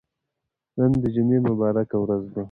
نن د جمعه مبارکه ورځ ده.